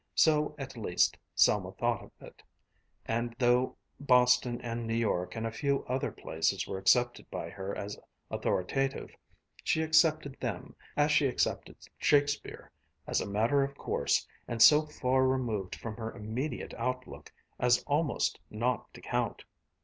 So at least Selma thought of it, and though Boston and New York and a few other places were accepted by her as authoritative, she accepted them, as she accepted Shakespeare, as a matter of course and so far removed from her immediate outlook as almost not to count.